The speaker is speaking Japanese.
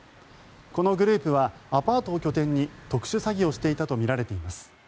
このグループはアパートを拠点に特殊詐欺をしていたとみられています。